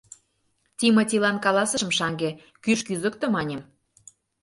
Тимотилан каласышым шаҥге, кӱш кӱзыктӧ, маньым.